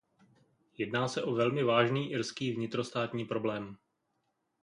Jedná se o velmi vážný irský vnitrostátní problém.